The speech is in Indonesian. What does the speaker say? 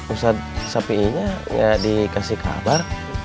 ustadz sapi'i nya nggak dikasih kabar